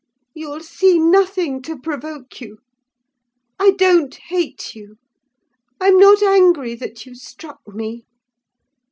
you'll see nothing to provoke you. I don't hate you. I'm not angry that you struck me.